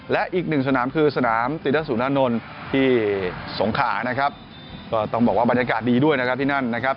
และอีกหนึ่งสนามคือสนามติสุนานนท์ที่สงขานะครับก็ต้องบอกว่าบรรยากาศดีด้วยนะครับที่นั่นนะครับ